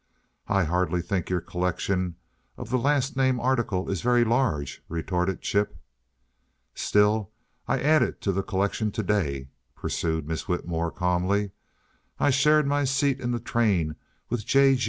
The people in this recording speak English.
"I hardly think your collection of the last named article is very large," retorted Chip. "Still, I added to the collection to day," pursued Miss Whitmore, calmly. "I shared my seat in the train with J.